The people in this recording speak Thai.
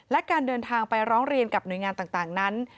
และการเดินทางไปร้องเรียนกับหน่วยงานต่างนั้น